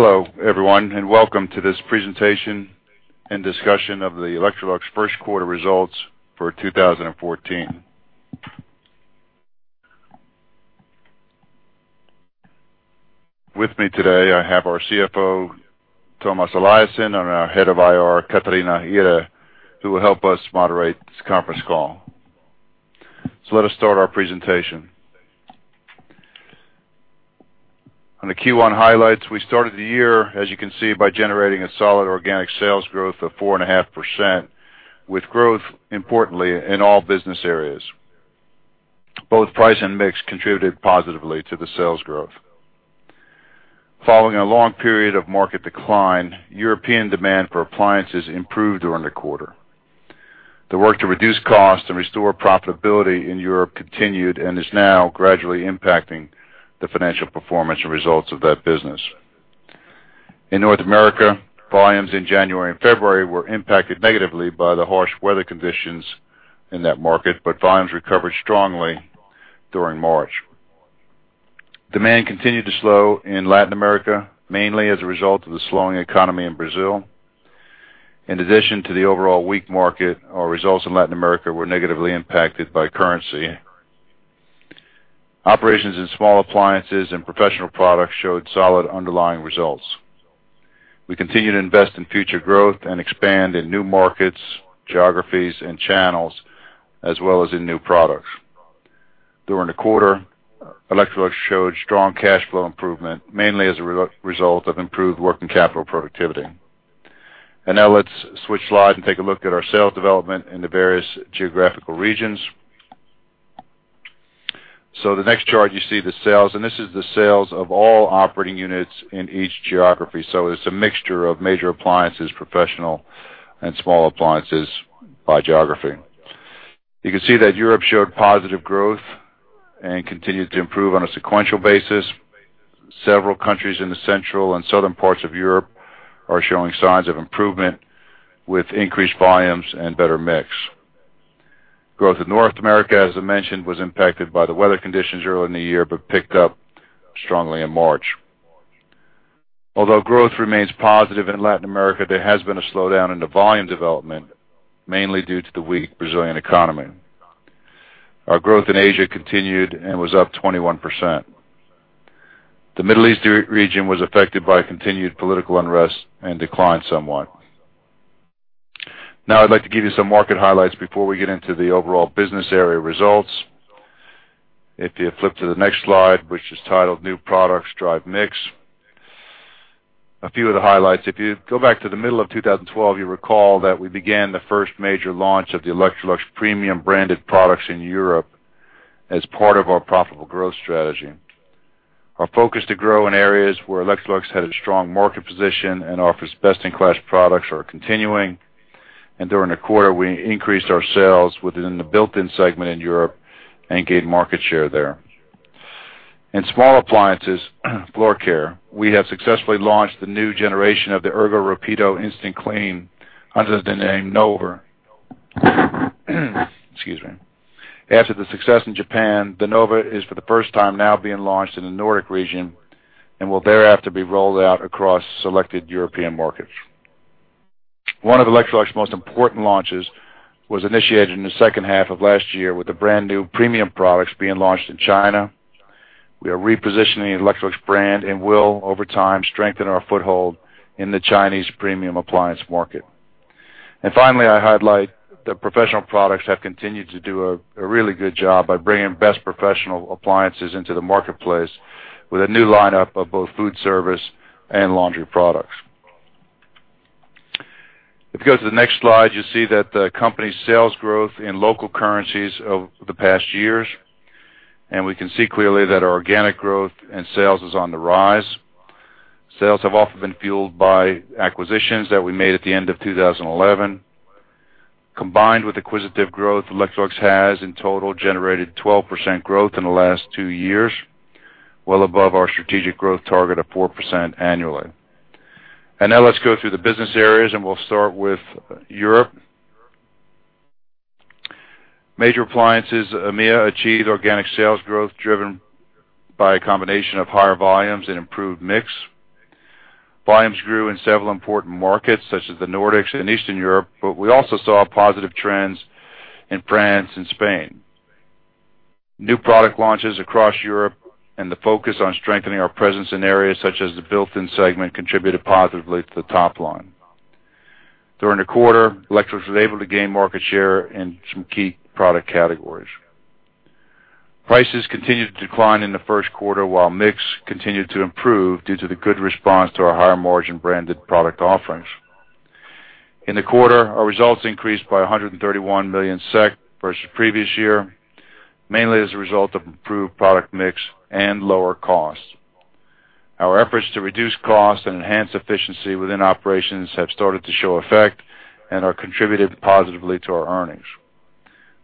Hello, everyone, and welcome to this presentation and discussion of the Electrolux first quarter results for 2014. With me today, I have our CFO Tomas Eliasson and our Head of IR Catarina Ihre, who will help us moderate this conference call. Let us start our presentation. Q1 highlights, we started the year, as you can see, by generating a solid organic sales growth of 4.5%, with growth importantly in all business areas. Both price and mix contributed positively to the sales growth. Following a long period of market decline, European demand for appliances improved during the quarter. The work to reduce costs and restore profitability in Europe continued and is now gradually impacting the financial performance and results of that business. In North America, volumes in January and February were impacted negatively by the harsh weather conditions in that market, but volumes recovered strongly during March. Demand continued to slow in Latin America, mainly as a result of the slowing economy in Brazil. In addition to the overall weak market, our results in Latin America were negatively impacted by currency. Operations in small appliances and professional products showed solid underlying results. We continue to invest in future growth and expand in new markets, geographies, and channels, as well as in new products. During the quarter, Electrolux showed strong cash flow improvement, mainly as a result of improved working capital productivity. Now let's switch slides and take a look at our sales development in the various geographical regions. The next chart, you see the sales, and this is the sales of all operating units in each geography. It's a mixture of major appliances, professional, and small appliances by geography. You can see that Europe showed positive growth and continued to improve on a sequential basis. Several countries in the central and southern parts of Europe are showing signs of improvement, with increased volumes and better mix. Growth in North America, as I mentioned, was impacted by the weather conditions early in the year, but picked up strongly in March. Although growth remains positive in Latin America, there has been a slowdown in the volume development, mainly due to the weak Brazilian economy. Our growth in Asia continued and was up 21%. The Middle East re-region was affected by continued political unrest and declined somewhat. I'd like to give you some market highlights before we get into the overall business area results. If you flip to the next slide, which is titled New Products Drive Mix, a few of the highlights. If you go back to the middle of 2012, you recall that we began the first major launch of the Electrolux premium branded products in Europe as part of our profitable growth strategy. Our focus to grow in areas where Electrolux had a strong market position and offers best-in-class products are continuing. During the quarter, we increased our sales within the built-in segment in Europe and gained market share there. In small appliances, floor care, we have successfully launched the new generation of the Ergorapido Instant Clean under the name Nova. Excuse me. After the success in Japan, the Nova is, for the first time, now being launched in the Nordic region and will thereafter be rolled out across selected European markets. One of Electrolux's most important launches was initiated in the second half of last year with the brand new premium products being launched in China. We are repositioning the Electrolux brand and will, over time, strengthen our foothold in the Chinese premium appliance market. Finally, I highlight that professional products have continued to do a really good job by bringing best professional appliances into the marketplace with a new lineup of both food service and laundry products. If you go to the next slide, you'll see that the company's sales growth in local currencies over the past years, and we can see clearly that our organic growth, and sales is on the rise. Sales have often been fueled by acquisitions that we made at the end of 2011. Combined with acquisitive growth, Electrolux has in total generated 12% growth in the last 2 years, well above our strategic growth target of 4% annually. Now let's go through the business areas, and we'll start with Europe. Major Appliances, EMEA, achieved organic sales growth, driven by a combination of higher volumes and improved mix. Volumes grew in several important markets, such as the Nordics and Eastern Europe, but we also saw positive trends in France and Spain. New product launches across Europe and the focus on strengthening our presence in areas such as the built-in segment contributed positively to the top line. During the quarter, Electrolux was able to gain market share in some key product categories. Prices continued to decline in the 1st quarter, while mix continued to improve due to the good response to our higher-margin branded product offerings. In the quarter, our results increased by 131 million SEK versus the previous year, mainly as a result of improved product mix and lower costs. Our efforts to reduce costs and enhance efficiency within operations have started to show effect and are contributed positively to our earnings.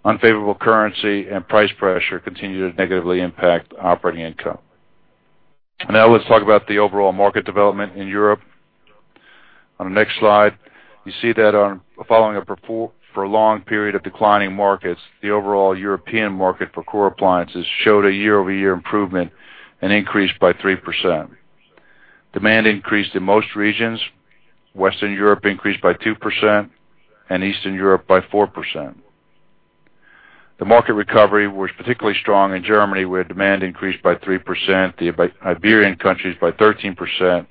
Unfavorable currency and price pressure continue to negatively impact operating income. Let's talk about the overall market development in Europe. On the next slide, you see that for a long period of declining markets, the overall European market for core appliances showed a year-over-year improvement and increased by 3%. Demand increased in most regions. Western Europe increased by 2% and Eastern Europe by 4%. The market recovery was particularly strong in Germany, where demand increased by 3%, the Iberian countries by 13%,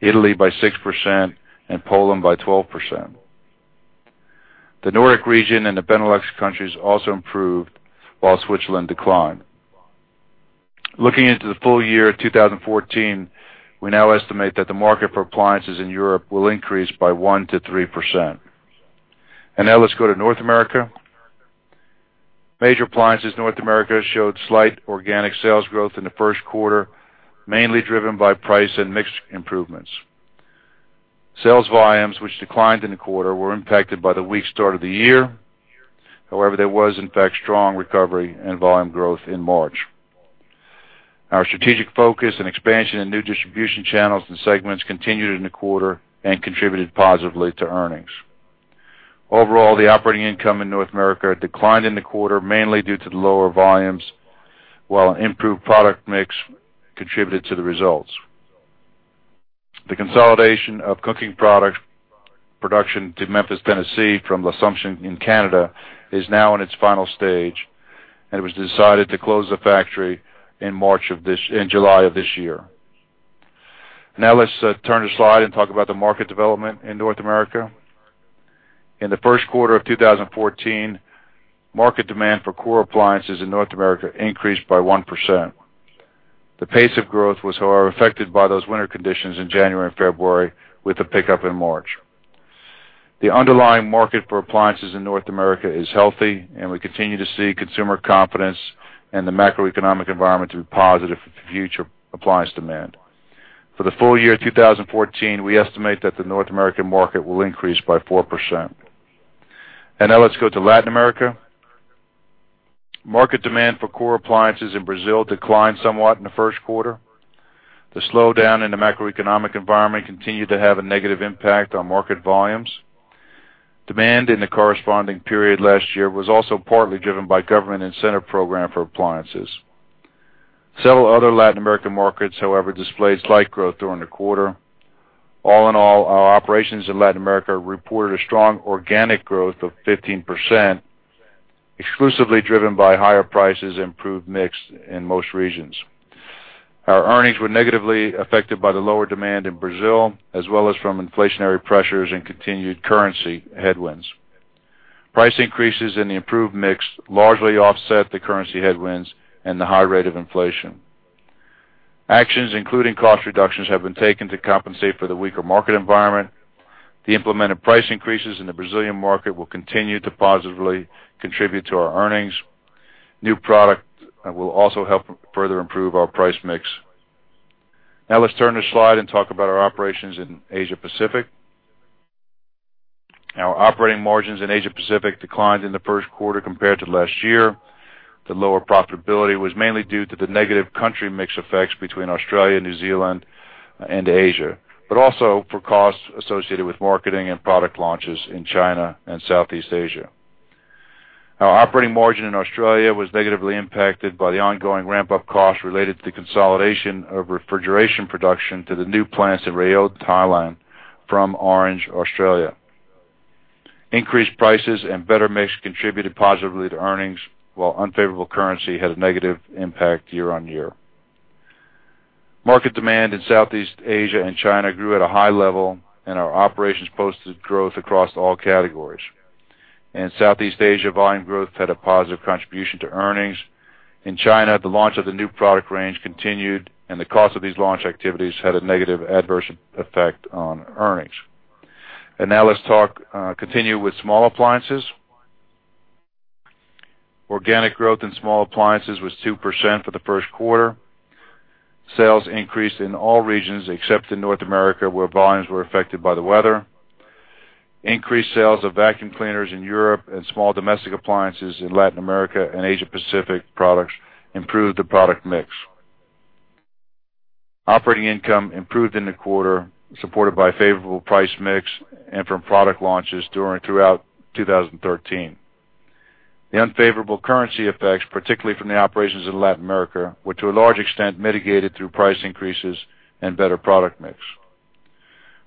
Italy by 6%, and Poland by 12%. The Nordic region and the Benelux countries also improved, while Switzerland declined. Looking into the full year of 2014, we now estimate that the market for appliances in Europe will increase by 1%-3%. Now let's go to North America. Major Appliances North America showed slight organic sales growth in the first quarter, mainly driven by price and mixed improvements. Sales volumes, which declined in the quarter, were impacted by the weak start of the year. However, there was, in fact, strong recovery and volume growth in March. Our strategic focus and expansion in new distribution channels and segments continued in the quarter and contributed positively to earnings. Overall, the operating income in North America declined in the quarter, mainly due to the lower volumes, while improved product mix contributed to the results. The consolidation of cooking product production to Memphis, Tennessee, from L'Assomption in Canada, is now in its final stage, and it was decided to close the factory in July of this year. Now, let's turn the slide and talk about the market development in North America. In the first quarter of 2014, market demand for core appliances in North America increased by 1%. The pace of growth was, however, affected by those winter conditions in January and February, with a pickup in March. The underlying market for appliances in North America is healthy, and we continue to see consumer confidence and the macroeconomic environment to be positive for future appliance demand. For the full year 2014, we estimate that the North American market will increase by 4%. Now let's go to Latin America. Market demand for core appliances in Brazil declined somewhat in the first quarter. The slowdown in the macroeconomic environment continued to have a negative impact on market volumes. Demand in the corresponding period last year was also partly driven by government incentive program for appliances. Several other Latin American markets, however, displayed slight growth during the quarter. All in all, our operations in Latin America reported a strong organic growth of 15%, exclusively driven by higher prices, and improved mix in most regions. Our earnings were negatively affected by the lower demand in Brazil, as well as from inflationary pressures and continued currency headwinds. Price increases in the improved mix largely offset the currency headwinds and the high rate of inflation. Actions, including cost reductions, have been taken to compensate for the weaker market environment. The implemented price increases in the Brazilian market will continue to positively contribute to our earnings. New product will also help further improve our price mix. Now, let's turn the slide and talk about our operations in Asia Pacific. Our operating margins in Asia Pacific declined in the first quarter compared to last year. The lower profitability was mainly due to the negative country mix effects between Australia, New Zealand, and Asia, but also for costs associated with marketing and product launches in China and Southeast Asia. Our operating margin in Australia was negatively impacted by the ongoing ramp-up costs related to the consolidation of refrigeration production to the new plants in Rayong, Thailand, from Orange, Australia. Increased prices and better mix contributed positively to earnings, while unfavorable currency had a negative impact year-on-year. Market demand in Southeast Asia and China grew at a high level. Our operations posted growth across all categories. In Southeast Asia, volume growth had a positive contribution to earnings. In China, the launch of the new product range continued. The cost of these launch activities had a negative adverse effect on earnings. Now let's talk, continue with small appliances. Organic growth in small appliances was 2% for the first quarter. Sales increased in all regions except in North America, where volumes were affected by the weather. Increased sales of vacuum cleaners in Europe and small domestic appliances in Latin America and Asia Pacific products improved the product mix. Operating income improved in the quarter, supported by favorable price mix and from product launches throughout 2013. The unfavorable currency effects, particularly from the operations in Latin America, were, to a large extent, mitigated through price increases and better product mix.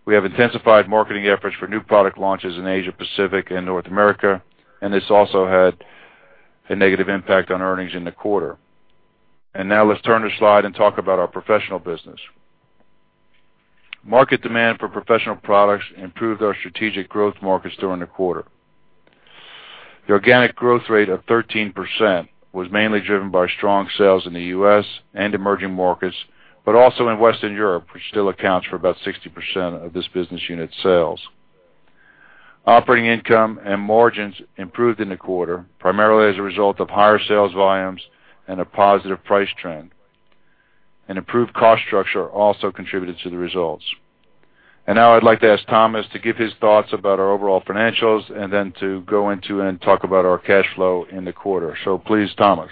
We have intensified marketing efforts for new product launches in Asia Pacific and North America, and this also had a negative impact on earnings in the quarter. Now let's turn the slide and talk about our professional business. Market demand for professional products improved our strategic growth markets during the quarter. The organic growth rate of 13% was mainly driven by strong sales in the US ,and emerging markets, but also in Western Europe, which still accounts for about 60% of this business unit's sales. Operating income and margins improved in the quarter, primarily as a result of higher sales volumes and a positive price trend. An improved cost structure also contributed to the results. Now I'd like to ask Tomas to give his thoughts about our overall financials and then to go into and talk about our cash flow in the quarter. Please, Tomas?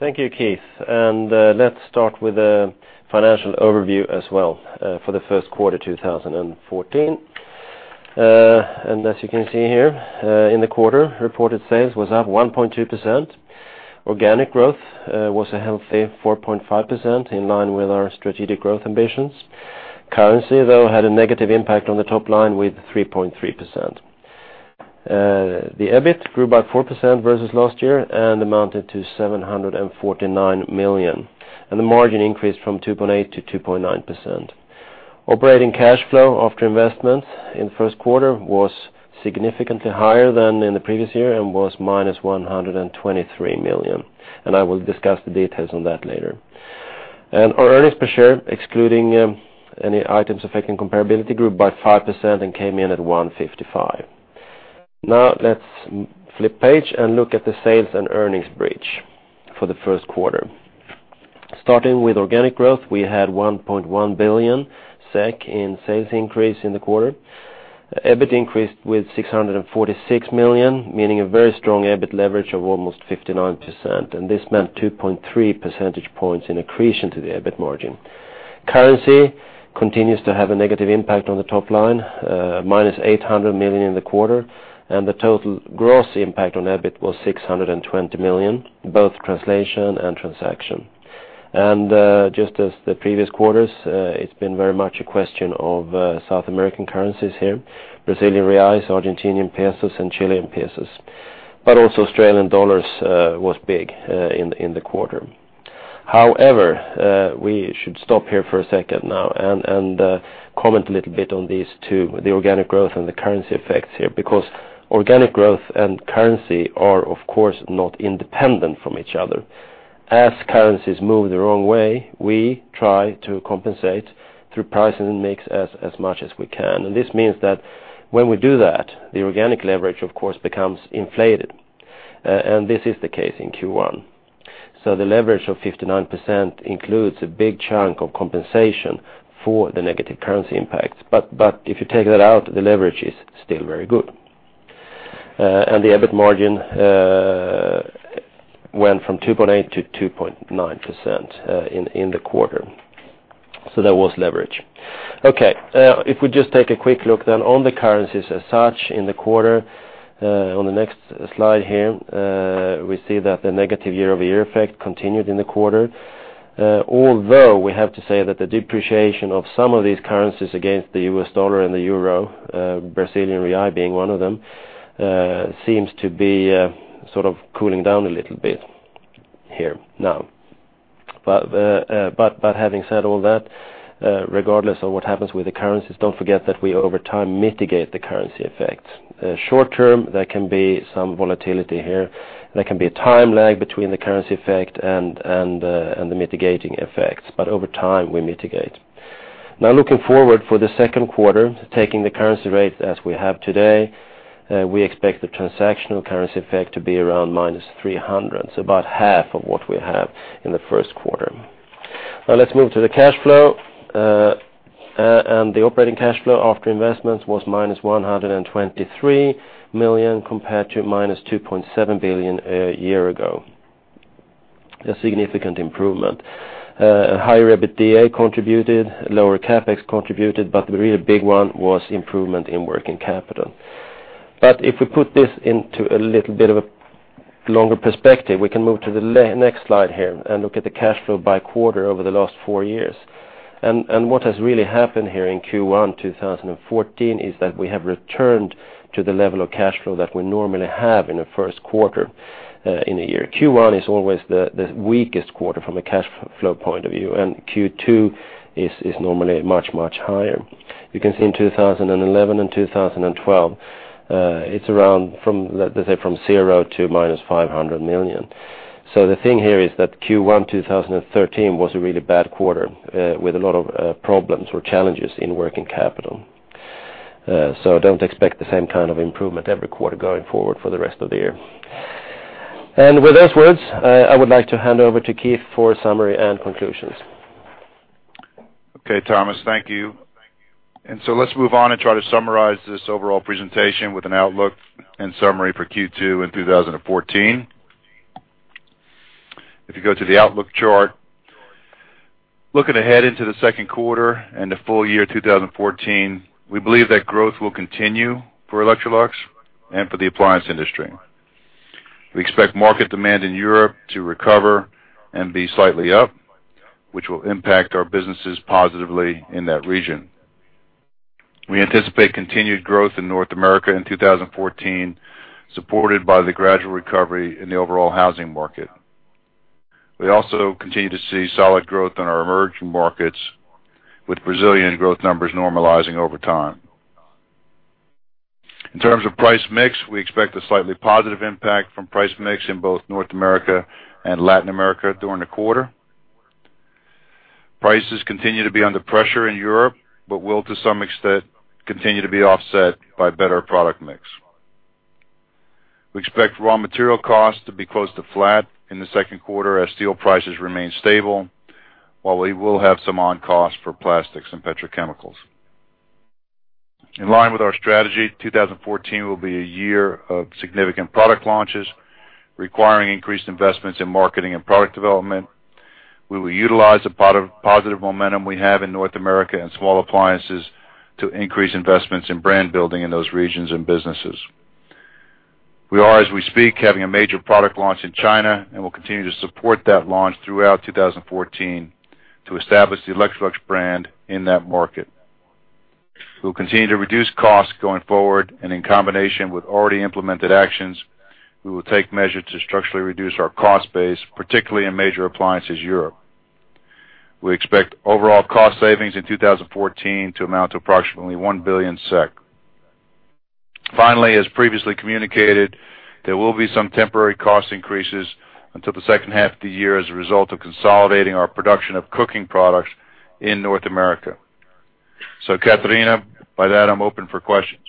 Thank you, Keith. Let's start with the financial overview as well for the first quarter, 2014. As you can see here, in the quarter, reported sales was up 1.2%. Organic growth was a healthy 4.5%, in line with our strategic growth ambitions. Currency, though, had a negative impact on the top line, with 3.3%. The EBIT grew by 4% versus last year and amounted to 749 million. The margin increased from 2.8% to 2.9%. Operating cash flow after investment in the first quarter was significantly higher than in the previous year and was minus 123 million. I will discuss the details on that later. Our earnings per share, excluding any items affecting comparability, grew by 5% and came in at 1.55. Now, let's flip page and look at the sales and earnings bridge for the first quarter. Starting with organic growth, we had 1.1 billion SEK in sales increase in the quarter. EBIT increased with 646 million, meaning a very strong EBIT leverage of almost 59%, and this meant 2.3 percentage points in accretion to the EBIT margin. Currency continues to have a negative impact on the top line, minus 800 million in the quarter, and the total gross impact on EBIT was 620 million, both translation and transaction. Just as the previous quarters, it's been very much a question of South American currencies here, Brazilian reais, Argentinian pesos, and Chilean pesos, but also Australian dollars was big in the quarter. However, we should stop here for a second now and comment a little bit on these two, the organic growth and the currency effects here, because organic growth and currency are, of course, not independent from each other. As currencies move the wrong way, we try to compensate through pricing and mix as much as we can, and this means that when we do that, the organic leverage, of course, becomes inflated. And this is the case in Q1. The leverage of 59% includes a big chunk of compensation for the negative currency impacts. If you take that out, the leverage is still very good. The EBIT margin went from 2.8% to 2.9% in the quarter. That was leverage. If we just take a quick look on the currencies as such in the quarter, on the next slide here, we see that the negative year-over-year effect continued in the quarter. Although, we have to say that the depreciation of some of these currencies against the US dollar and the euro, Brazilian real being one of them, seems to be sort of cooling down a little bit here now. Having said all that, regardless of what happens with the currencies, don't forget that we, over time, mitigate the currency effects. Short term, there can be some volatility here. There can be a time lag between the currency effect, and the mitigating effects, but over time, we mitigate. Looking forward for the second quarter, taking the currency rate as we have today, we expect the transactional currency effect to be around -300, so about half of what we have in the first quarter. Let's move to the cash flow, and the operating cash flow after investments was -123 million, compared to -2.7 billion a year ago. A significant improvement. Higher EBITDA contributed, lower CapEx contributed, but the really big one was improvement in working capital. If we put this into a little bit of a longer perspective, we can move to the next slide here and look at the cash flow by quarter over the last four years. What has really happened here in Q1 2014, is that we have returned to the level of cash flow that we normally have in the first quarter in a year. Q1 is always the weakest quarter from a cash flow point of view, and Q2 is normally much, much higher. You can see in 2011 and 2012, it's around from, let's say, from zero to minus 500 million. The thing here is that Q1 2013 was a really bad quarter with a lot of problems or challenges in working capital. Don't expect the same kind of improvement every quarter going forward for the rest of the year. With those words, I would like to hand over to Keith for summary and conclusions. Okay, Tomas, thank you. Let's move on and try to summarize this overall presentation with an outlook and summary for Q2 in 2014. If you go to the outlook chart, looking ahead into the second quarter, and the full year 2014, we believe that growth will continue for Electrolux and for the appliance industry. We expect market demand in Europe to recover and be slightly up, which will impact our businesses positively in that region. We anticipate continued growth in North America in 2014, supported by the gradual recovery in the overall housing market. We also continue to see solid growth in our emerging markets, with Brazilian growth numbers normalizing over time. In terms of price mix, we expect a slightly positive impact from price mix in both North America and Latin America during the quarter. Prices continue to be under pressure in Europe, but will, to some extent, continue to be offset by better product mix. We expect raw material costs to be close to flat in the second quarter as steel prices remain stable, while we will have some on costs for plastics and petrochemicals. ...In line with our strategy, 2014 will be a year of significant product launches, requiring increased investments in marketing and product development. We will utilize the positive momentum we have in North America and small appliances to increase investments in brand building in those regions and businesses. We are, as we speak, having a major product launch in China, and we'll continue to support that launch throughout 2014 to establish the Electrolux brand in that market. We'll continue to reduce costs going forward, and in combination with already implemented actions, we will take measures to structurally reduce our cost base, particularly in Major Appliances Europe. We expect overall cost savings in 2014 to amount to approximately 1 billion SEK. Finally, as previously communicated, there will be some temporary cost increases until the second half of the year as a result of consolidating our production of cooking products in North America. Catarina, by that, I'm open for questions.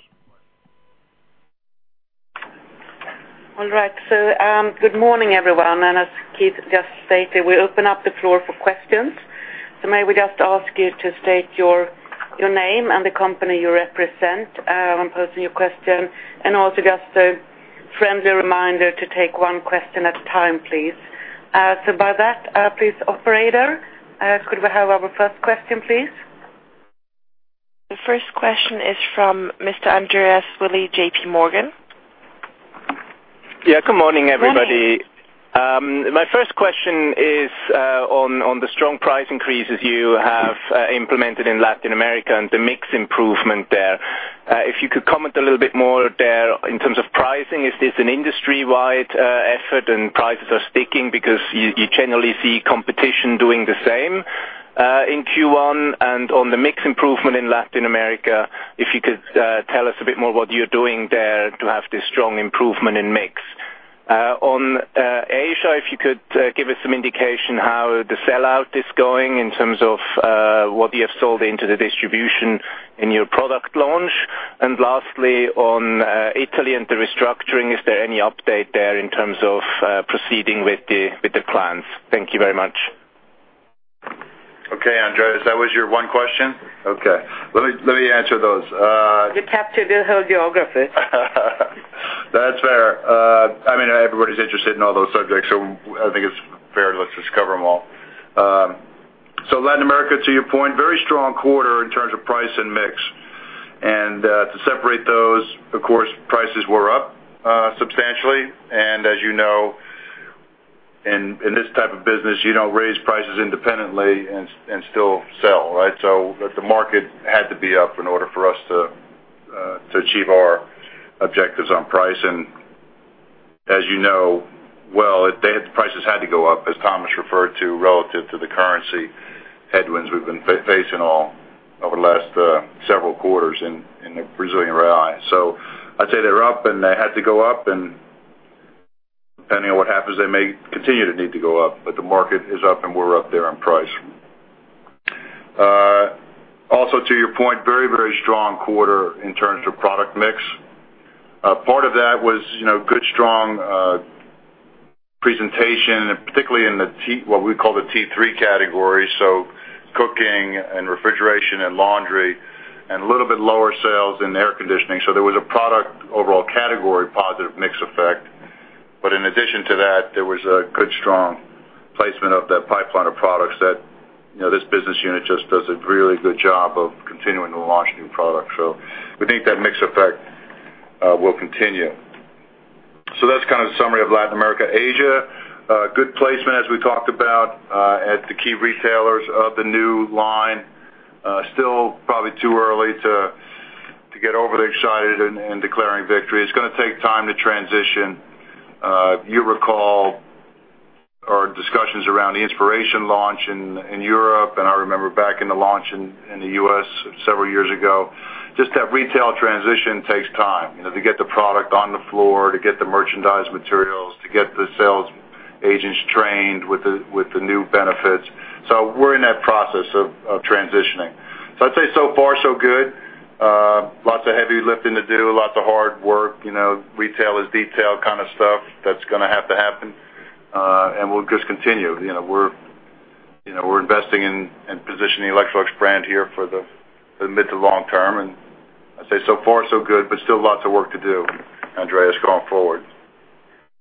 All right. Good morning, everyone. As Keith just stated, we open up the floor for questions. May we just ask you to state your name and the company you represent when posing your question, and also just a friendly reminder to take one question at a time, please. By that, please, Operator, could we have our first question, please? The first question is from Mr. Andreas Willi, J.P. Morgan. Yeah, good morning, everybody. Good morning. My first question is on the strong price increases you have implemented in Latin America and the mix improvement there. If you could comment a little bit more there in terms of pricing, is this an industry-wide effort and prices are sticking because you generally see competition doing the same in Q1? On the mix improvement in Latin America, if you could tell us a bit more what you're doing there to have this strong improvement in mix. On Asia, if you could give us some indication how the sell-out is going in terms of what you have sold into the distribution in your product launch. Lastly, on Italy and the restructuring, is there any update there in terms of proceeding with the plans? Thank you very much. Okay, Andreas, that was your one question? Okay. Let me answer those. You captured the whole geography. That's fair. I mean, everybody's interested in all those subjects, I think it's fair. Let's just cover them all. Latin America, to your point, very strong quarter in terms of price and mix. To separate those, of course, prices were up substantially. As you know, in this type of business, you don't raise prices independently and still sell, right? The market had to be up in order for us to achieve our objectives on price. As you know well, the prices had to go up, as Tomas referred to, relative to the currency headwinds we've been facing all over the last several quarters in the Brazilian real. I'd say they're up, and they had to go up, and depending on what happens, they may continue to need to go up, but the market is up, and we're up there on price. Also, to your point, very, very strong quarter in terms of product mix. Part of that was, you know, good, strong presentation, particularly in what we call the T3 category, so cooking and refrigeration and laundry, and a little bit lower sales in air conditioning. There was a product overall category, positive mix effect. But in addition to that, there was a good, strong placement of that pipeline of products that, you know, this business unit just does a really good job of continuing to launch new products. We think that mix effect will continue. That's kind of the summary of Latin America. Asia, good placement, as we talked about, at the key retailers of the new line. Still probably too early to get overly excited and declaring victory. It's gonna take time to transition. If you recall our discussions around the Inspiration launch in Europe, and I remember back in the launch in the U.S. several years ago, just that retail transition takes time, you know, to get the product on the floor, to get the merchandise materials, to get the sales agents trained with the new benefits. We're in that process of transitioning. I'd say so far, so good. Lots of heavy lifting to do, lots of hard work. You know, retail is detail kind of stuff that's gonna have to happen, and we'll just continue. You know, we're, you know, we're investing in and positioning the Electrolux brand here for the mid to long term. I'd say, so far, so good, but still lots of work to do, Andreas, going forward.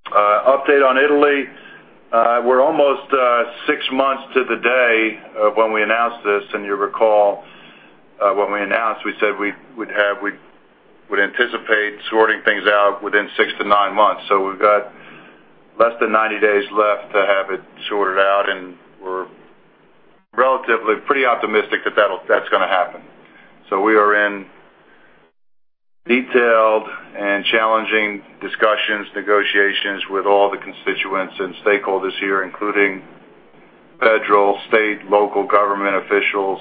Update on Italy, we're almost six months to the day of when we announced this, and you recall, when we announced, we said we'd anticipate sorting things out within six to nine months. We've got less than 90 days left to have it sorted out, and we're relatively pretty optimistic that that's gonna happen. We are in detailed and challenging discussions, negotiations with all the constituents and stakeholders here, including federal, state, local government officials,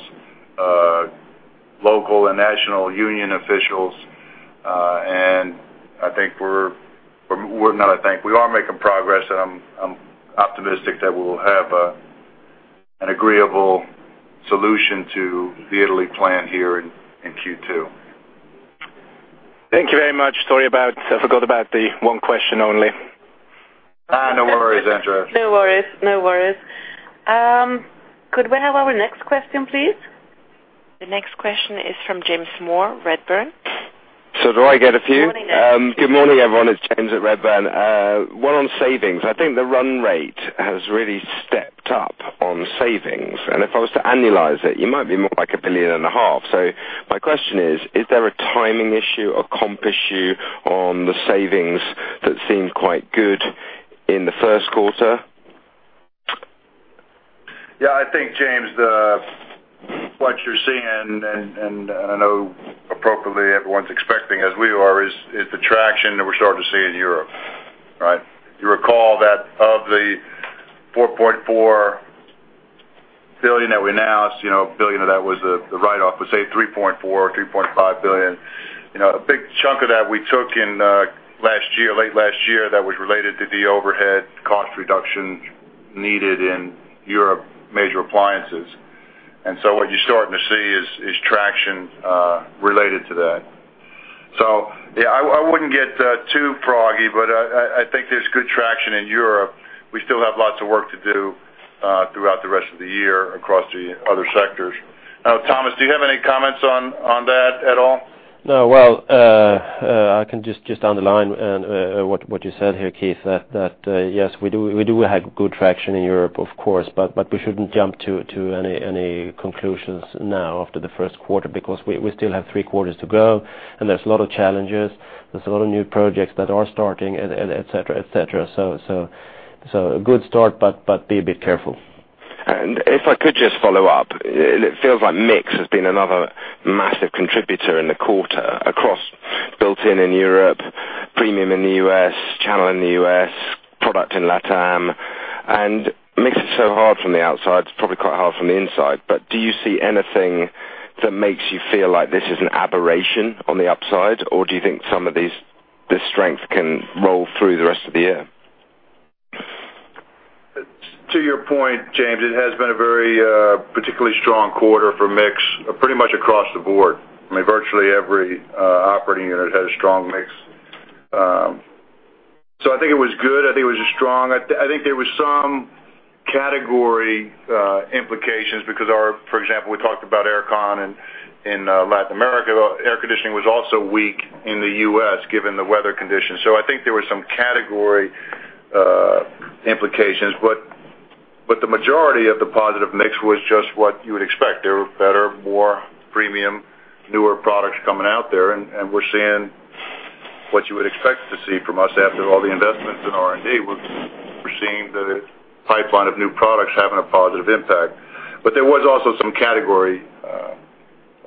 local and national union officials. I think we're not, we are making progress, and I'm optimistic that we'll have an agreeable solution to the Italy plan here in Q2. Thank you very much. Sorry about, I forgot about the one question only. No worries, Andreas. No worries. No worries. Could we have our next question, please? The next question is from James Moore, Redburn. Do I get a few? Morning, James. Good morning, everyone. It's James at Redburn. one on savings. I think the run rate has really stepped up on savings, and if I was to annualize it, you might be more like a billion and a half. My question is: Is there a timing issue or comp issue on the savings that seemed quite good in the first quarter? Yeah, I think, James Moore, what you're seeing, and I know appropriately, everyone's expecting, as we are, is the traction that we're starting to see in Europe, right? You recall that of the 4.4 billion that we announced, you know, 1 billion of that was the write-off, but say 3.4 billion-3.5 billion. You know, a big chunk of that we took in last year, late last year, that was related to the overhead cost reduction needed in Major Appliances Europe. What you're starting to see is traction related to that. Yeah, I wouldn't get too froggy, but I think there's good traction in Europe. We still have lots of work to do throughout the rest of the year across the other sectors. Tomas, do you have any comments on that at all? No. Well, I can just underline and what you said here, Keith, that yes, we do have good traction in Europe, of course, but we shouldn't jump to any conclusions now after the first quarter because we still have three quarters to go, and there's a lot of challenges. There's a lot of new projects that are starting and et cetera, et cetera. A good start, but be a bit careful. If I could just follow up, it feels like mix has been another massive contributor in the quarter across built-in in Europe, premium in the U.S., channel in the U.S., product in LATAM, and makes it so hard from the outside. It's probably quite hard from the inside, but do you see anything that makes you feel like this is an aberration on the upside, or do you think this strength can roll through the rest of the year? To your point, James, it has been a very particularly strong quarter for mix, pretty much across the board. I mean, virtually every operating unit had a strong mix. I think it was good. I think it was strong. I think there was some category implications because for example, we talked about air con in Latin America. Air conditioning was also weak in the U.S., given the weather conditions, so I think there was some category implications. The majority of the positive mix was just what you would expect. There were better, more premium, newer products coming out there, and we're seeing what you would expect to see from us after all the investments in R&D. We're seeing the pipeline of new products having a positive impact. There was also some category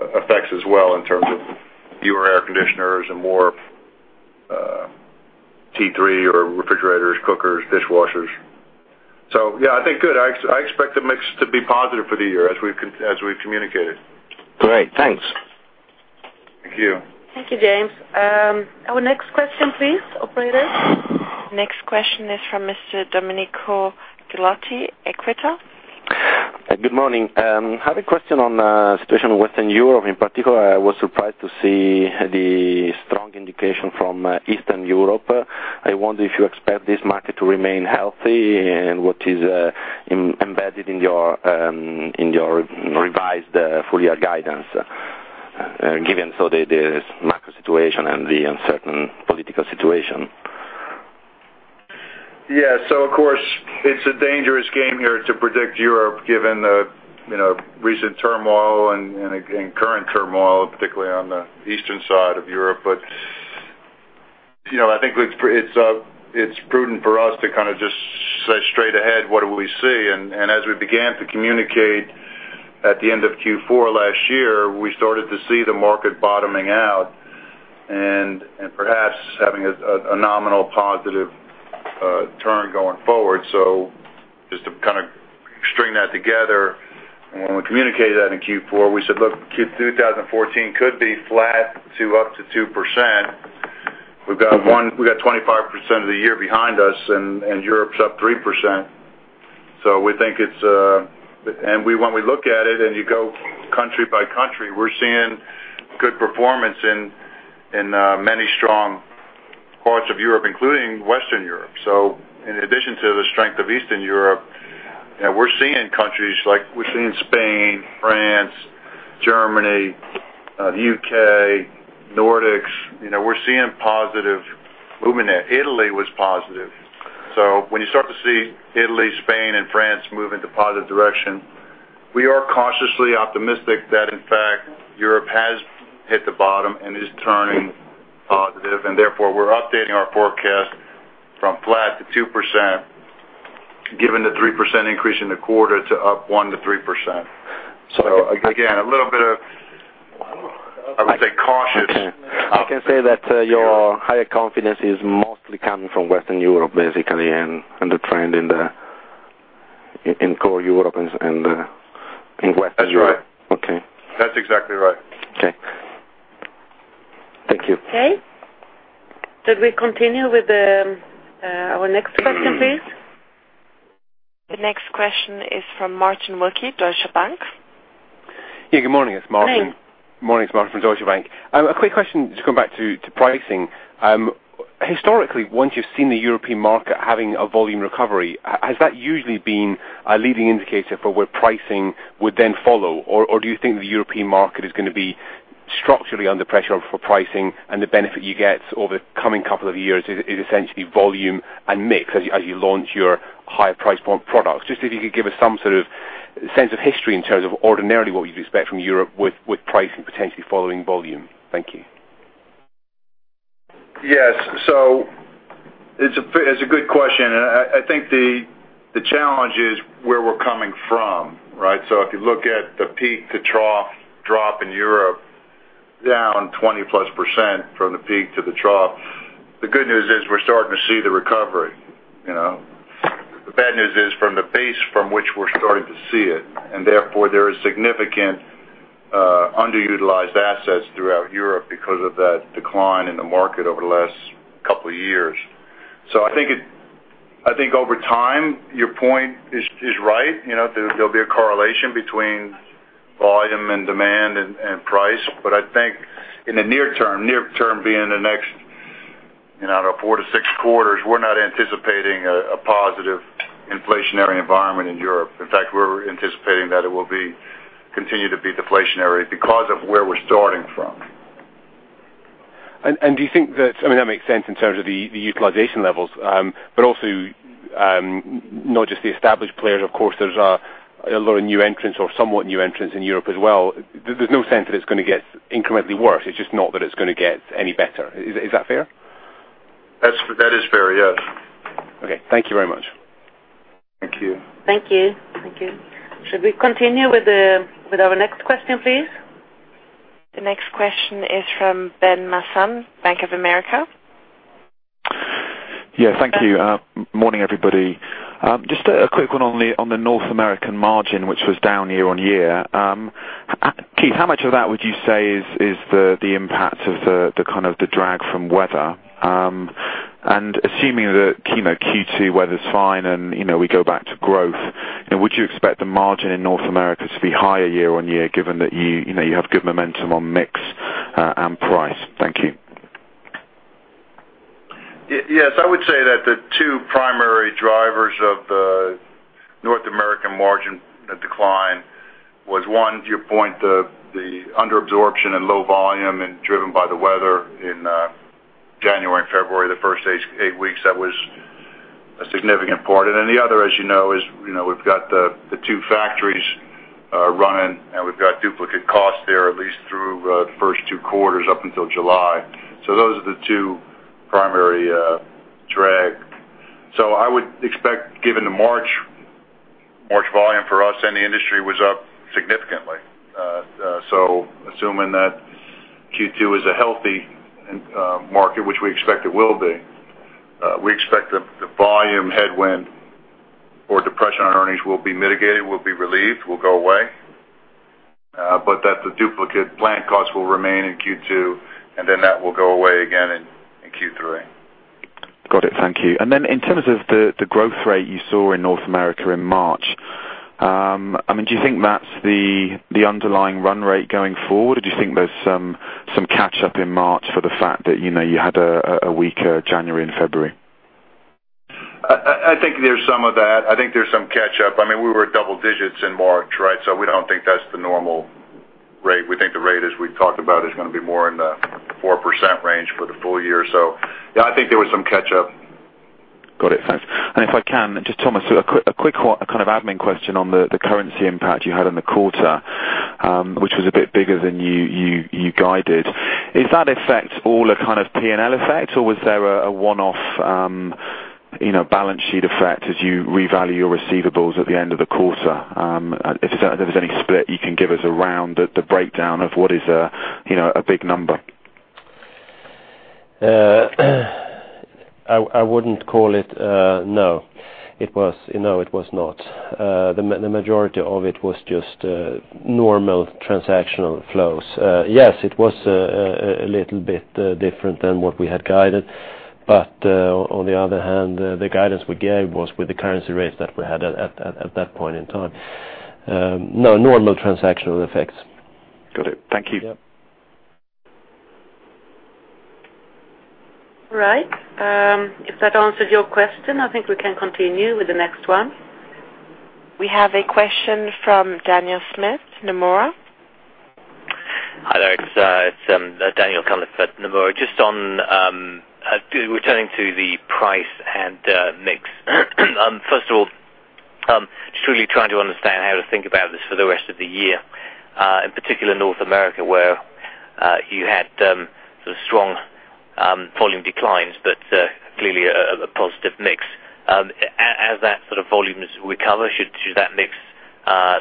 effects as well, in terms of fewer air conditioners and more T3 or refrigerators, cookers, dishwashers. Yeah, I think good. I expect the mix to be positive for the year as we've communicated. Great. Thanks. Thank you. Thank you, James. Our next question, please, operator. Next question is from Mr. Domenico Ghilotti, Equita. Good morning. I have a question on situation in Western Europe. In particular, I was surprised to see the strong indication from Eastern Europe. I wonder if you expect this market to remain healthy and what is embedded in your, in your revised full year guidance, given the macro situation and the uncertain political situation? Yeah. Of course, it's a dangerous game here to predict Europe, given the, you know, recent turmoil and again, current turmoil, particularly on the eastern side of Europe. You know, I think it's it's prudent for us to kind of just say straight ahead what do we see. As we began to communicate at the end of Q4 last year, we started to see the market bottoming out and perhaps having a nominal positive turn going forward. Just to kind of string that together, when we communicated that in Q4, we said: Look, 2014 could be flat to up to 2%. Mm-hmm. We've got 25% of the year behind us, and Europe's up 3%, so we think it's... When we look at it, and you go country by country, we're seeing good performance in many strong parts of Europe, including Western Europe. In addition to the strength of Eastern Europe, we're seeing countries like we're seeing Spain, France, Germany, the U.K., Nordics, you know, we're seeing positive movement there. Italy was positive. When you start to see Italy, Spain, and France moving to positive direction, we are cautiously optimistic that, in fact, Europe has hit the bottom and is turning positive, and therefore, we're updating our forecast from flat to 2%, given the 3% increase in the quarter to up 1%-3%. Again, a little bit of, I would say, cautious. Okay. I can say that, your higher confidence is mostly coming from Western Europe, basically, and the trend in the, in core Europe and in Western Europe. That's right. Okay. That's exactly right. Okay. Thank you. Okay. Should we continue with the, our next question, please? The next question is from Martin Wilkie, Deutsche Bank. Yeah, good morning, it's Martin. Hi. Morning. It's Martin from Deutsche Bank. A quick question, just going back to pricing. Historically, once you've seen the European market having a volume recovery, has that usually been a leading indicator for where pricing would then follow? Do you think the European market is gonna be structurally under pressure for pricing, and the benefit you get over the coming couple of years is essentially volume and mix, as you launch your higher price point products? Just if you could give us some sort of sense of history in terms of ordinarily what we'd expect from Europe with pricing potentially following volume. Thank you. Yes. It's a, it's a good question, and I think the challenge is where we're coming from, right? If you look at the peak to trough drop in Europe, down 20%+ percent from the peak to the trough. The good news is we're starting to see the recovery, you know. The bad news is from the base from which we're starting to see it, and therefore, there is significant underutilized assets throughout Europe because of that decline in the market over the last couple of years. I think over time, your point is right. You know, there'll be a correlation between volume and demand and price. I think in the near term, near term being in the next, you know, I don't know, four to six quarters, we're not anticipating a positive inflationary environment in Europe. In fact, we're anticipating that it will be, continue to be deflationary because of where we're starting from. Do you think that... I mean, that makes sense in terms of the utilization levels, but also, not just the established players, of course, there's a lot of new entrants or somewhat new entrants in Europe as well. There's no sense that it's gonna get incrementally worse. It's just not that it's gonna get any better. Is that fair? That's, that is fair, yes. Okay. Thank you very much. Thank you. Thank you. Thank you. Should we continue with our next question, please? The next question is from Ben Maslen, Bank of America. Yeah, thank you. Morning, everybody. Just a quick one on the North American margin, which was down year-on-year. Keith, how much of that would you say is the impact of the kind of the drag from weather? Assuming that, you know, Q2 weather's fine and, you know, we go back to growth, would you expect the margin in North America to be higher year-on-year, given that you know, you have good momentum on mix and price? Thank you. Yes, I would say that the two primary drivers of the North American margin decline was, one, to your point, the under absorption and low volume and driven by the weather in January and February, the first 8 weeks, that was a significant part. The other, as you know, is, you know, we've got the two factories running, and we've got duplicate costs there, at least through the first two quarters up until July. Those are the two primary drag. I would expect, given the March volume for us and the industry was up significantly. Assuming that Q2 is a healthy market, which we expect it will be, we expect the volume headwind or depression on earnings will be mitigated, will be relieved, will go away, but that the duplicate plant costs will remain in Q2, and then that will go away again in Q3. Got it. Thank you. In terms of the growth rate you saw in North America in March, I mean, do you think that's the underlying run rate going forward, or do you think there's some catch up in March for the fact that, you know, you had a weaker January and February? I think there's some of that. I think there's some catch up. I mean, we were double digits in March, right? We don't think that's the normal rate. We think the rate, as we've talked about, is going to be more in the 4% range for the full year. Yeah, I think there was some catch up. Got it. Thanks. If I can, just Tomas, a quick kind of admin question on the currency impact you had in the quarter, which was a bit bigger than you guided. Is that effect all a kind of P&L effect, or was there a one-off, you know, balance sheet effect as you revalue your receivables at the end of the quarter? If there's any split, you can give us around the breakdown of what is a, you know, a big number. I wouldn't call it. It was not. The majority of it was just normal transactional flows. Yes, it was a little bit different than what we had guided, but on the other hand, the guidance we gave was with the currency rates that we had at that point in time. No, normal transactional effects. Got it. Thank you. Yep. All right, if that answers your question, I think we can continue with the next one. We have a question from Daniel Cunliffe, Nomura. Hi there, it's Daniel Cunliffe at Nomura. Returning to the price and mix. First of all, just really trying to understand how to think about this for the rest of the year, in particular, North America, where you had sort of strong volume declines, clearly a positive mix. As that sort of volume is recover, should that mix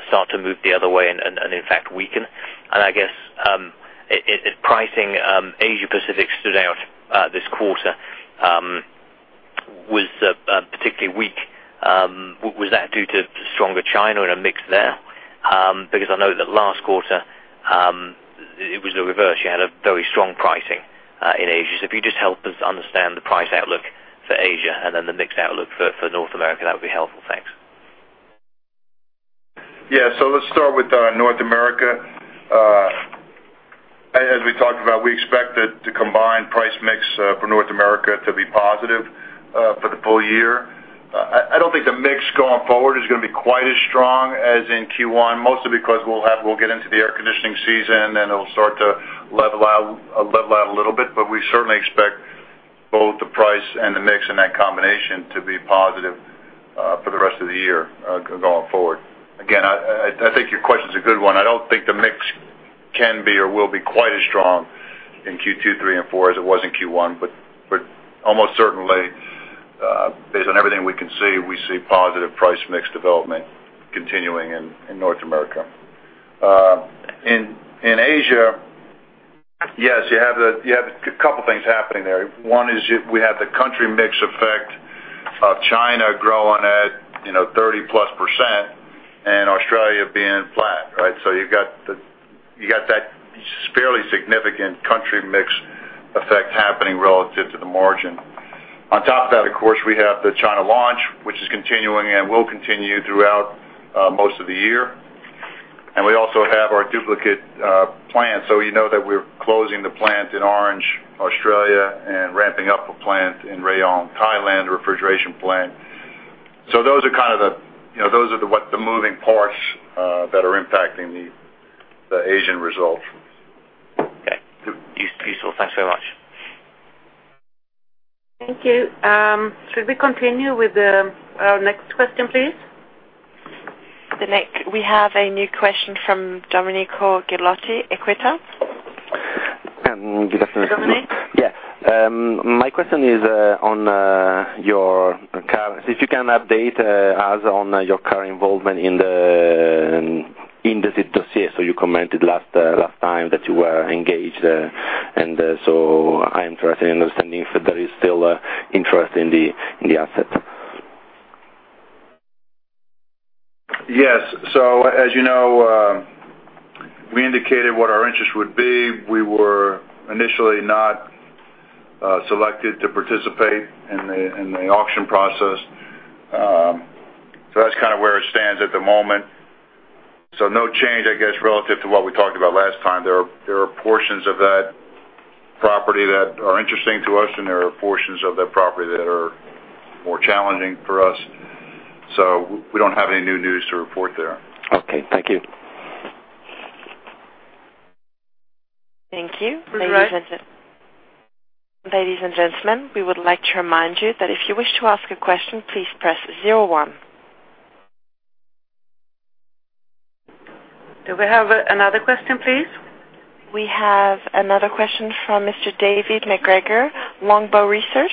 start to move the other way and, in fact, weaken? I guess, if pricing, Asia Pacific stood out this quarter, was particularly weak, was that due to stronger China and a mix there?... Because I know that last quarter, it was the reverse. You had a very strong pricing, in Asia. If you just help us understand the price outlook for Asia and then the mix outlook for North America, that would be helpful. Thanks. Yeah. Let's start with North America. As we talked about, we expect the combined price mix for North America to be positive for the full year. I don't think the mix going forward is gonna be quite as strong as in Q1, mostly because we'll get into the air conditioning season, and it'll start to level out a little bit. We certainly expect both the price and the mix and that combination to be positive for the rest of the year going forward. I think your question is a good one. I don't think the mix can be or will be quite as strong in Q2, three, and four as it was in Q1. Almost certainly, based on everything we can see, we see positive price mix development continuing in North America. In Asia, yes, you have a couple things happening there. One is we have the country mix effect of China growing at, you know, 30+% and Australia being flat, right? You got that fairly significant country mix effect happening relative to the margin. On top of that, of course, we have the China launch, which is continuing and will continue throughout most of the year. We also have our duplicate plant. You know that we're closing the plant in Orange, Australia, and ramping up a plant in Rayong, Thailand, refrigeration plant. Those are kind of the, you know, those are the moving parts that are impacting the Asian results. Okay, useful. Thanks so much. Thank you. Should we continue with our next question, please? The next. We have a new question from Domenico Ghilotti, Equita. Good afternoon. Hi, Domenico. Yeah. My question is, if you can update us on your current involvement in the dossier. You commented last time that you were engaged, and so I'm interested in understanding if there is still interest in the asset. Yes. As you know, we indicated what our interest would be. We were initially not selected to participate in the in the auction process. That's kind of where it stands at the moment. No change, I guess, relative to what we talked about last time. There are portions of that property that are interesting to us, and there are portions of that property that are more challenging for us. We don't have any new news to report there. Okay, thank you. Thank you. All right. Ladies and gentlemen, we would like to remind you that if you wish to ask a question, please press zero one. Do we have another question, please? We have another question from Mr. David MacGregor, Longbow Research.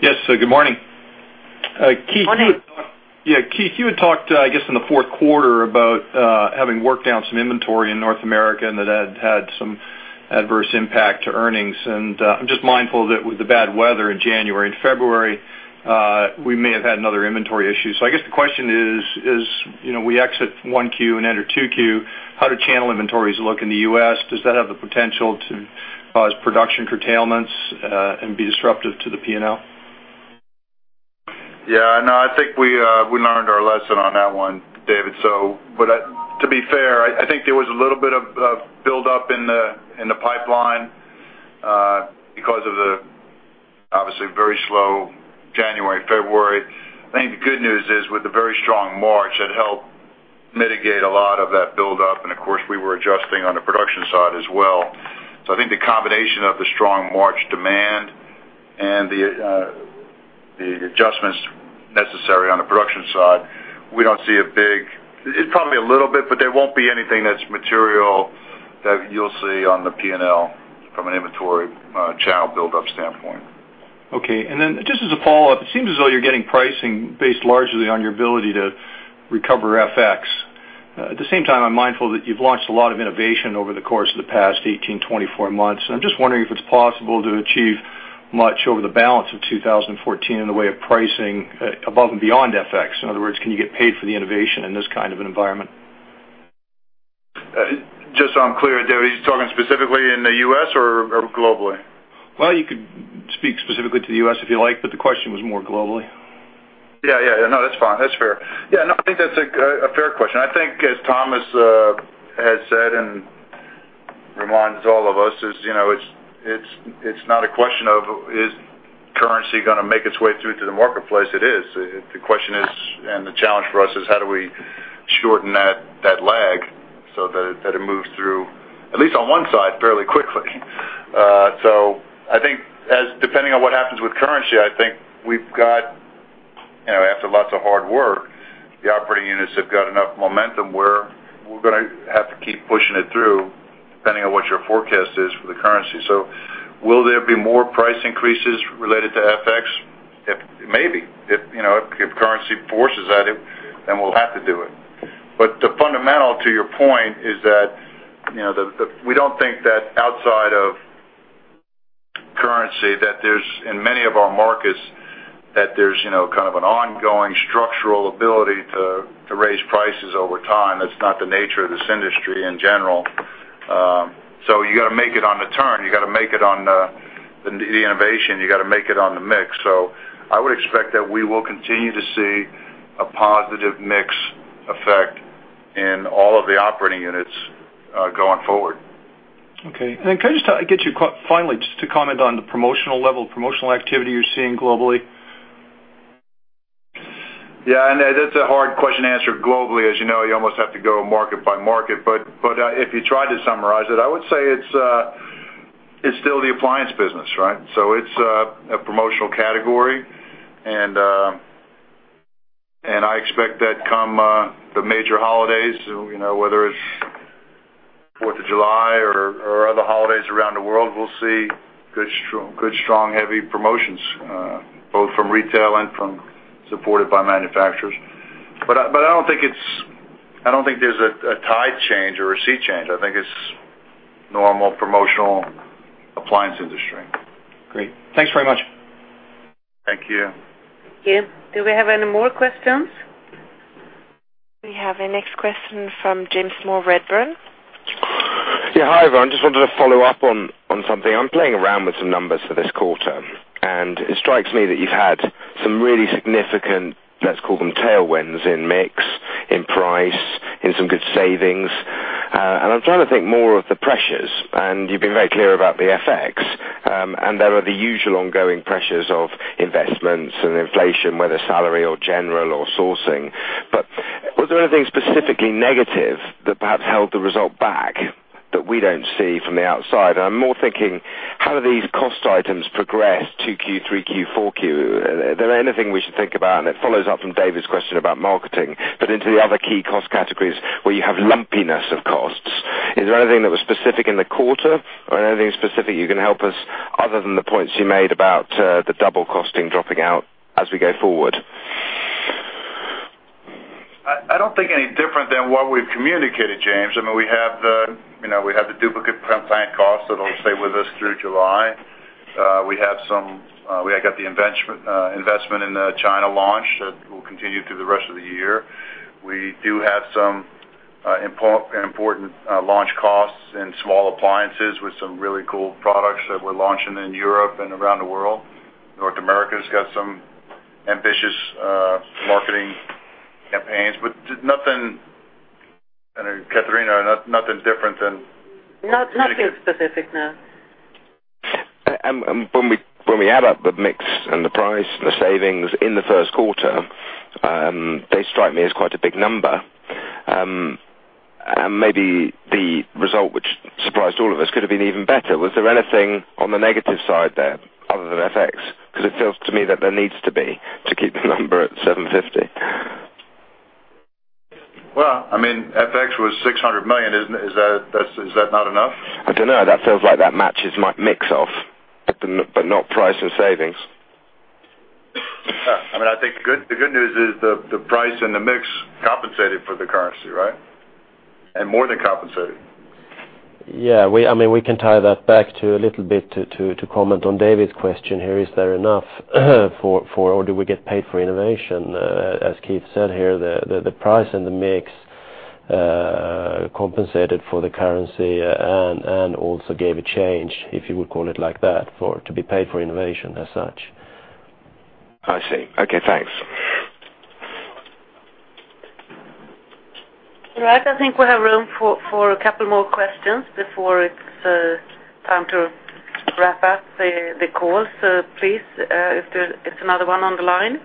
Yes, good morning. Good morning. Keith, yeah, Keith, you had talked, I guess, in the fourth quarter about having worked down some inventory in North America, and that had some adverse impact to earnings. I'm just mindful that with the bad weather in January and February, we may have had another inventory issue. I guess the question is, you know, we exit Q1 and enter Q2, how do channel inventories look in the U.S.? Does that have the potential to cause production curtailments, and be disruptive to the PNL? Yeah, no, I think we learned our lesson on that one, David. But to be fair, I think there was a little bit of buildup in the pipeline because of the obviously very slow January, February. I think the good news is, with the very strong March, that helped mitigate a lot of that buildup, and of course, we were adjusting on the production side as well. I think the combination of the strong March demand and the adjustments necessary on the production side. It's probably a little bit, but there won't be anything that's material that you'll see on the PNL from an inventory channel buildup standpoint. Okay, just as a follow-up, it seems as though you're getting pricing based largely on your ability to recover FX. At the same time, I'm mindful that you've launched a lot of innovation over the course of the past 18, 24 months. I'm just wondering if it's possible to achieve much over the balance of 2014 in the way of pricing, above and beyond FX. In other words, can you get paid for the innovation in this kind of an environment? Just so I'm clear, David, are you talking specifically in the U.S. or globally? Well, you could speak specifically to the US if you like, but the question was more globally. Yeah, yeah. No, that's fine. That's fair. Yeah, no, I think that's a fair question. I think, as Tomas had said and reminds all of us, is, you know, it's, it's not a question of, is currency gonna make its way through to the marketplace? It is. The question is, and the challenge for us is, how do we shorten that lag so that it moves through, at least on one side, fairly quickly? I think as depending on what happens with currency, I think we've got, you know, after lots of hard work, the operating units have got enough momentum where we're gonna have to keep pushing it through, depending on what your forecast is for the currency. Will there be more price increases related to FX? Maybe. If, you know, if currency forces at it, then we'll have to do it. The fundamental to your point is that, you know, we don't think that in many of our markets, that there's, you know, kind of an ongoing structural ability to raise prices over time. That's not the nature of this industry in general. You got to make it on the turn, you got to make it on the innovation, you got to make it on the mix. I would expect that we will continue to see a positive mix effect in all of the operating units going forward. Okay. Can I just get you, quite finally, just to comment on the promotional level, promotional activity you're seeing globally? That's a hard question to answer globally. As you know, you almost have to go market by market. But if you try to summarize it, I would say it's still the appliance business, right? It's a promotional category, and I expect that come the major holidays, you know, whether it's Fourth of July or other holidays around the world, we'll see good strong, heavy promotions, both from retail and from supported by manufacturers. But I don't think there's a tide change or a sea change. I think it's normal promotional appliance industry. Great. Thanks very much. Thank you. Thank you. Do we have any more questions? We have a next question from James Moore Redburn. Yeah, hi, everyone. Just wanted to follow up on something. I'm playing around with some numbers for this quarter, and it strikes me that you've had some really significant, let's call them, tailwinds, in mix, in price, in some good savings. I'm trying to think more of the pressures, and you've been very clear about the FX, and there are the usual ongoing pressures of investments and inflation, whether salary or general or sourcing. Was there anything specifically negative that perhaps held the result back, that we don't see from the outside? I'm more thinking, how do these cost items progress Q2, Q3, Q4? Is there anything we should think about, and it follows up from David's question about marketing, but into the other key cost categories where you have lumpiness of costs. Is there anything that was specific in the quarter or anything specific you can help us other than the points you made about the double costing dropping out as we go forward? I don't think any different than what we've communicated, James. I mean, we have the, you know, we have the duplicate plant costs that will stay with us through July. We have some, we got the investment in the China launch that will continue through the rest of the year. We do have some, important launch costs in small appliances with some really cool products that we're launching in Europe and around the world. North America has got some ambitious marketing campaigns, but just nothing, Catarina, nothing different than- Not, nothing specific, no. When we add up the mix and the price and the savings in the first quarter, they strike me as quite a big number. Maybe the result, which surprised all of us, could have been even better. Was there anything on the negative side there other than FX? Because it feels to me that there needs to be to keep the number at 750. Well, I mean, FX was 600 million. Is that not enough? I don't know. That feels like that matches my mix off, but not price and savings. I mean, I think the good news is the price and the mix compensated for the currency, right? More than compensated. I mean, we can tie that back to a little bit to comment on David's question here. Is there enough for or do we get paid for innovation? As Keith said here, the price and the mix compensated for the currency and also gave a change, if you would call it like that, for to be paid for innovation as such. I see. Okay, thanks. All right. I think we have room for a couple more questions before it's time to wrap up the call. Please, if there is another one on the line.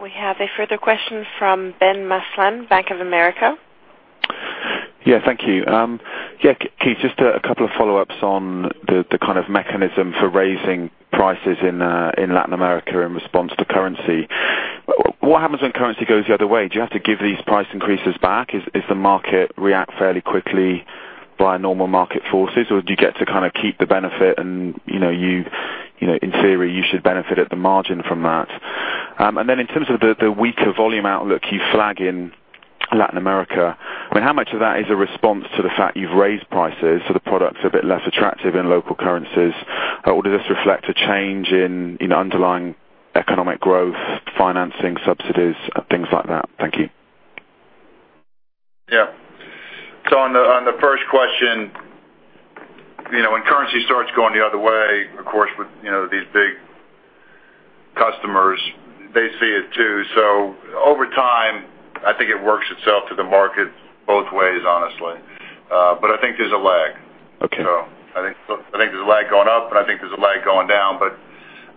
We have a further question from Ben Maslen, Bank of America. Yeah, thank you. Keith, just a couple of follow-ups on the kind of mechanism for raising prices in Latin America in response to currency. What happens when currency goes the other way? Do you have to give these price increases back? Is the market react fairly quickly by normal market forces, or do you get to kind of keep the benefit and, you know, in theory, you should benefit at the margin from that. In terms of the weaker volume outlook you flag in Latin America, I mean, how much of that is a response to the fact you've raised prices, so the product is a bit less attractive in local currencies? Or does this reflect a change in underlying economic growth, financing, subsidies, things like that? Thank you. Yeah. On the first question, you know, when currency starts going the other way, of course, with, you know, these big customers, they see it too. Over time, I think it works itself to the market both ways, honestly. I think there's a lag. Okay. I think there's a lag going up, and I think there's a lag going down, but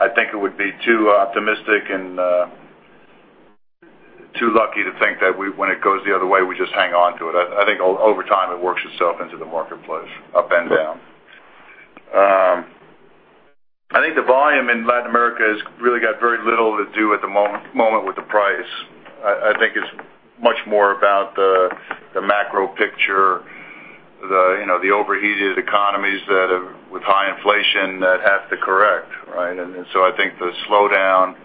I think it would be too optimistic and too lucky to think that when it goes the other way, we just hang on to it. I think over time, it works itself into the marketplace, up and down. I think the volume in Latin America has really got very little to do at the moment with the price. I think it's much more about the macro picture, the, you know, the overheated economies that have, with high inflation, that have to correct, right? I think the slowdown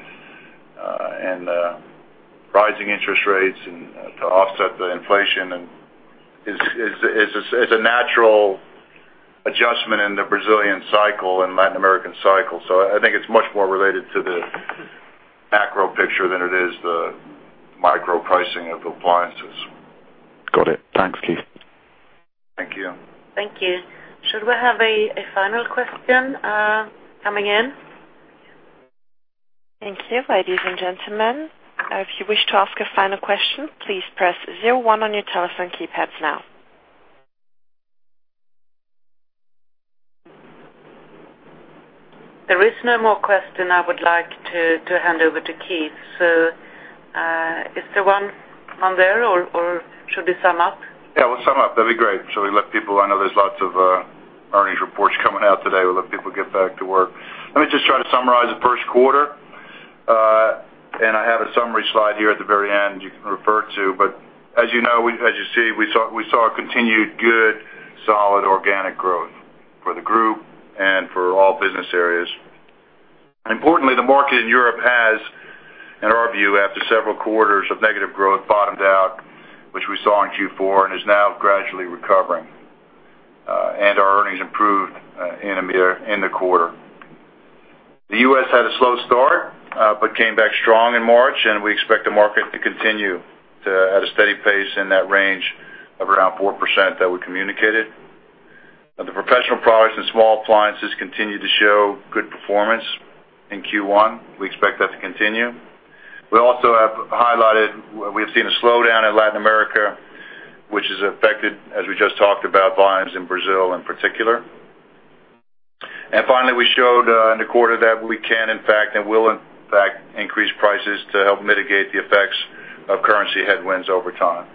and rising interest rates to offset the inflation is a natural adjustment in the Brazilian cycle and Latin American cycle. I think it's much more related to the macro picture than it is the micro pricing of appliances. Got it. Thanks, Keith. Thank you. Thank you. Should we have a final question coming in? Thank you, ladies and gentlemen. If you wish to ask a final question, please press 01 on your telephone keypads now. There is no more question I would like to hand over to Keith. Is there one on there, or should we sum up? Yeah, we'll sum up. That'd be great. We let people. I know there's lots of earnings reports coming out today. We'll let people get back to work. Let me just try to summarize the first quarter. I have a summary slide here at the very end you can refer to. As you know, we saw a continued good, solid organic growth for the group and for all business areas. Importantly, the market in Europe has, in our view, after several quarters of negative growth, bottomed out, which we saw in Q4, is now gradually recovering. Our earnings improved in the quarter. The U.S. had a slow start, but came back strong in March, and we expect the market to continue to at a steady pace in that range of around 4% that we communicated. The professional products and small appliances continued to show good performance in Q1. We expect that to continue. We also have highlighted, we've seen a slowdown in Latin America, which has affected, as we just talked about, volumes in Brazil in particular. Finally, we showed in the quarter that we can in fact and will in fact increase prices to help mitigate the effects of currency headwinds over time.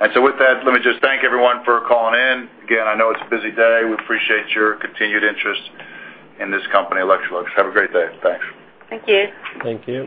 With that, let me just thank everyone for calling in. Again, I know it's a busy day. We appreciate your continued interest in this company, Electrolux. Have a great day. Thanks. Thank you. Thank you.